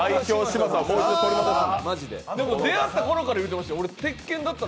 出会ったころから言ってました。